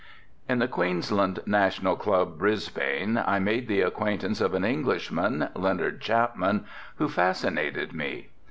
At the Queensland National Club, Brisbane, I made the acquaintance of an Englishman, Leonard Chapman, who fascinated me.